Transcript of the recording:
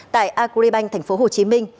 tại agribank tp hcm